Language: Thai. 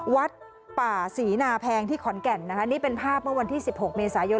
วัดป่าศรีนาแพงที่ขอนแก่นนะคะนี่เป็นภาพเมื่อวันที่๑๖เมษายน